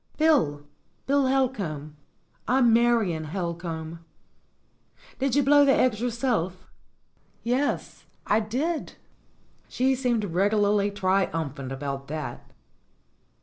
"Bill Bill Helcomb. I'm Marion Helcomb." "Did you blow the eggs yourself?" "Yes, I did." She seemed regularly triumphant about that.